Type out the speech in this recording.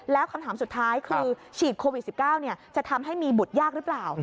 แล้วคำถามสุดท้ายคือฉีดโควิด๑๙จะทำให้มีบุตรยากหรือเปล่า